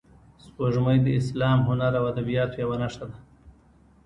سپوږمۍ د اسلام، هنر او ادبیاتو یوه نښه ده